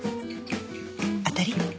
当たり？